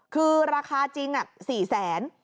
อ๋อคือราคาจริง๔๐๐๐๐๐บาท